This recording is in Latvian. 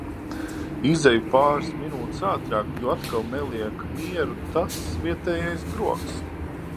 Izeju pāris minūtes ātrāk, jo atkal neliek mieru tas vietējais krogs.